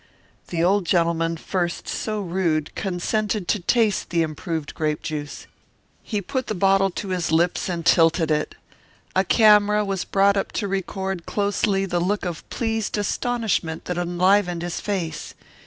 The old gentleman, first so rude, consented to taste the improved grape juice. He put the bottle to his lips and tilted it. A camera was brought up to record closely the look of pleased astonishment that enlivened his face.